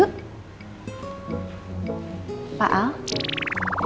bapak sudah setuju